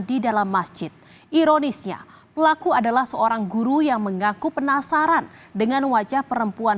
di dalam masjid ironisnya pelaku adalah seorang guru yang mengaku penasaran dengan wajah perempuan